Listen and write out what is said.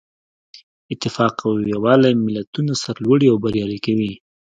اتفاق او یووالی ملتونه سرلوړي او بریالي کوي.